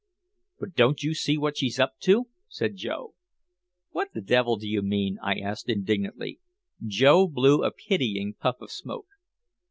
"But don't you see what she's up to?" said Joe. "What the devil do you mean?" I asked indignantly. Joe blew a pitying puff of smoke.